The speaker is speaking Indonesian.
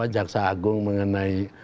jaksa agung mengenai